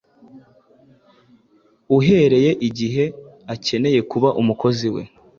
uhereye igihe arekeye kuba umukozi we;